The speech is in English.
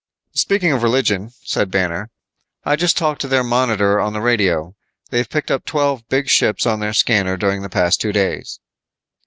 "Speaking of religion," said Banner, "I just talked to their monitor on the radio. They've picked up twelve big ships on their scanner during the past two days."